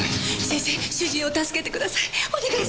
先生主人を助けてください。